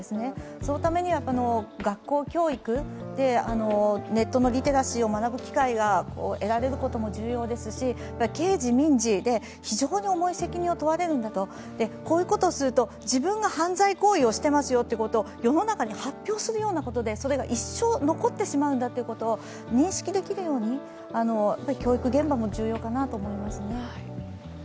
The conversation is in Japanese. そのためには、学校教育でネットのリテラシーを学ぶ機会が得られることも重要ですし刑事・民事で非常に重い責任を取らされるんだと、こういうことをすると自分が犯罪行為をしてますよということを世の中に発表することでそれが一生残ってしまうんだということを認識できるようにおぉ・おぅ！